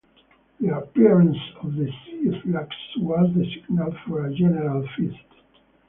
The appearance of the sea-slugs was the signal for a general feast.